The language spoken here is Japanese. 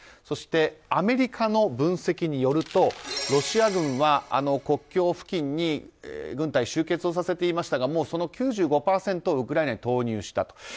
そしてアメリカの分析によるとロシア軍は、国境付近に軍隊を集結させていましたがその９５％をウクライナに投入したと。